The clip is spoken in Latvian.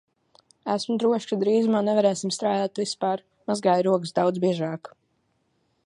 Esmu droša, ka drīzumā nevarēsim strādāt vispār. Mazgāju rokas daudz biežāk.